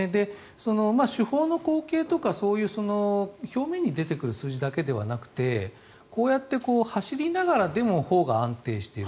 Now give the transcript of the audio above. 主砲の口径とか表面に出てくる数字だけではなくてこうやって走りながらでも砲が安定している。